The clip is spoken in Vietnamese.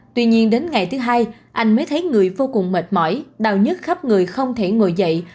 tuy nhiên đến ngày thứ hai anh mới thấy người vô cùng mệt mỏi đau nhất khắp người không thể ngồi dậy